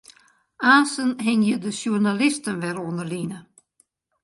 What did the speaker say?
Aansten hingje de sjoernalisten wer oan 'e line.